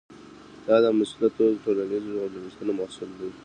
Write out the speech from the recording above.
دا د مسلطو ټولنیزو جوړښتونو محصول دی.